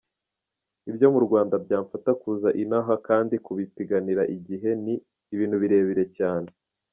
Ibyo mu Rwanda byamfata kuza ino aha, kandi kubipangira igihe, ni ibintu birebire cyane.